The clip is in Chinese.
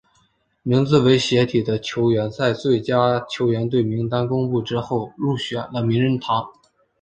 名字为斜体的球员在最佳球队名单公布之后入选了名人堂。